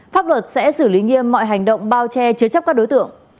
pháp luật sẽ xử lý nghiêm mọi hành động bao che chứa chấp các đối tượng